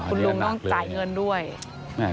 คุณลุงต้องจ่ายเงินด้วย